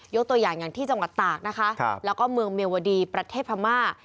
ตัวอย่างอย่างที่จังหวัดตากนะคะแล้วก็เมืองเมียวดีประเทศพม่า